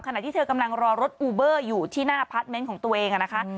ขณะที่เธอกำลังรอรถอูเบอร์อยู่ที่หน้าพาร์ทเมนต์ของตัวเองนะคะ